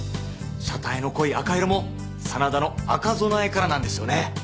車体の濃い赤色も真田の赤備えからなんですよね。